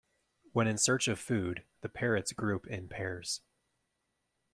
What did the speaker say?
When in search of food, the parrots group in pairs.